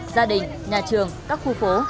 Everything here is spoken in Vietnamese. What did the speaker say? gia đình nhà trường các khu phố